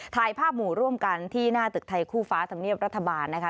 ถ่ายภาพหมู่ร่วมกันที่หน้าตึกไทยคู่ฟ้าธรรมเนียบรัฐบาลนะคะ